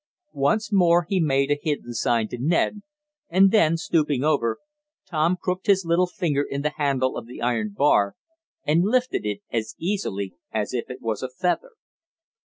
Once more he made a hidden sign to Ned, and then, stooping over, Tom crooked his little finger in the handle of the iron bar and lifted it as easily as if it was a feather.